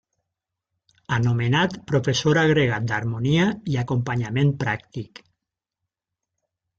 Anomenat professor agregat d'harmonia i acompanyament pràctic.